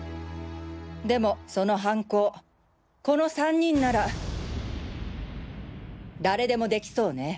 でもその犯行この３人なら誰でもできそうね。